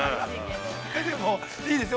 でも、いいですね。